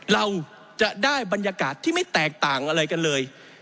เราจะได้บรรยากาศที่ไม่แตกต่างอะไรกันเลย